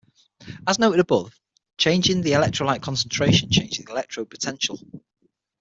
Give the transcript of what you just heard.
As noted above, changing the electrolyte concentration changes the electrode potential.